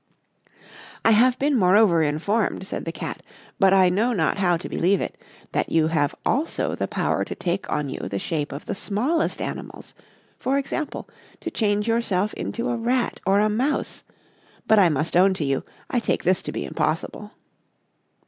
"I have been moreover informed," said the Cat, "but I know not how to believe it, that you have also the power to take on you the shape of the smallest animals; for example, to change yourself into a rat or a mouse; but I must own to you, I take this to be impossible."